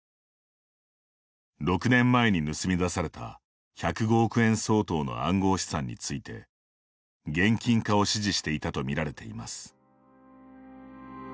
６年前に盗み出された１０５億円相当の暗号資産について現金化を指示していたと見られています。